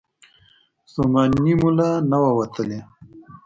ستومني مو لا نه وه وتلې.